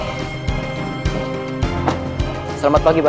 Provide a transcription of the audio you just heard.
ini kendaraan n werk iniidah